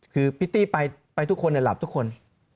คือพิตตี้ไปทุกคนหลับทุกคน